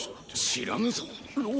知らぬぞ。？